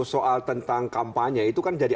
soal tentang kampanye itu kan jadi